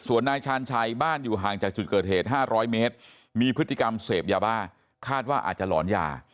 ส่วนนายชาญชัยบ้านอยู่ห่างจากจุดเกิดเหตุ๕๐๐เมตรมีพฤติกรรมเสพยาบ้าคาดว่าอาจจะหลอนยา